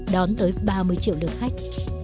đón tới ba mươi triệu lượt khách